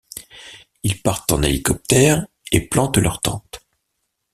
Ils partent en hélicoptère et plantent leurs tentes.